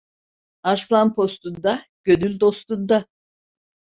Arslan postunda, gönül dostunda.